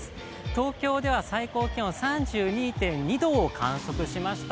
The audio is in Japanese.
東京では最高気温３２．２度を観測しました。